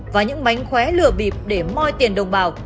và những mánh khóe lừa bịp để moi tiền đồng bào